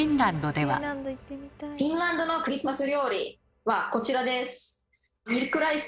フィンランドのクリスマス料理はこちらです。